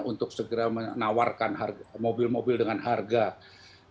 untuk segera menawarkan mobil mobil yang diperlukan